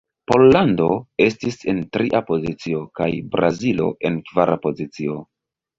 Pollando estis en tria pozicio, kaj Brazilo en kvara pozicio.